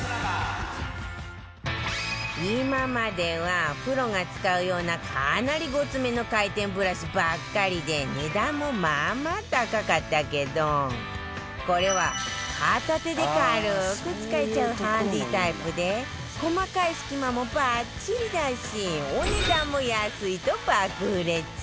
今まではプロが使うようなかなりごつめの回転ブラシばっかりで値段もまあまあ高かったけどこれは片手で軽く使えちゃうハンディタイプで細かい隙間もバッチリだしお値段も安いと爆売れ中